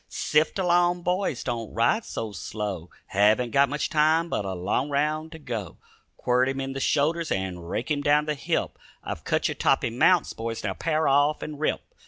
"Sift along, boys, don't ride so slow; Haven't got much time but a long round to go. Quirt him in the shoulders and rake him down the hip; I've cut you toppy mounts, boys, now pair off and rip.